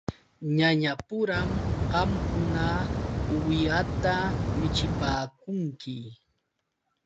Ñañapuram qamkuna uwihata michipaakunki.